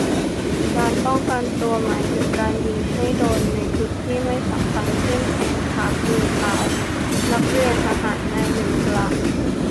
"การป้องกันตัวหมายถึง การยิงให้โดนในจุดที่ไม่สำคัญ เช่น แขน ขา มือ เท้า" นักเรียนทหารนายหนึ่งกล่าว